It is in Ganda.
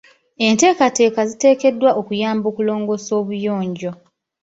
Enteekateeka zitegekeddwa okuyamba okulongoosa obuyonjo.